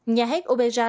nhà hét opera